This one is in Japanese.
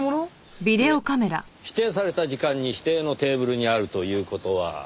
いえ指定された時間に指定のテーブルにあるという事は。